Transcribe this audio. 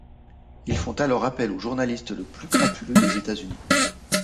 Ils font alors appel au journaliste le plus crapuleux des États-Unis.